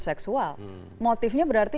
seksual motifnya berarti